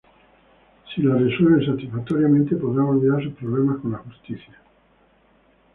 Si la resuelven satisfactoriamente podrán olvidar sus problemas con la justicia.